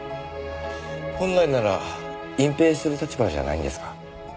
本来なら隠蔽する立場じゃないんですか？